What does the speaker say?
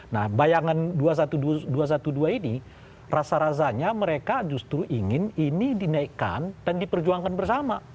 nah bayangan dua ratus dua belas ini rasa rasanya mereka justru ingin ini dinaikkan dan diperjuangkan bersama